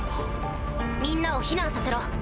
みんなを避難させろ。